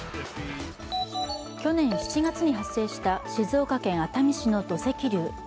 去年７月に発生した静岡県熱海市の土石流。